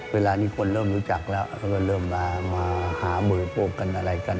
เวลานี้คนเริ่มรู้จักแล้วเขาก็เริ่มมาหามือพวกกันอะไรกัน